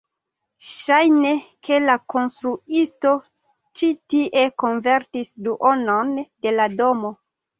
Ŝajne, ke la konstruisto ĉi tie konvertis duonon de la domo